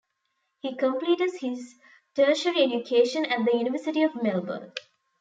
He completed his tertiary education at the University of Melbourne.